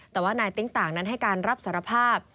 แต่ว่านายติ๊งต่างนั้นให้การรับสารภาพ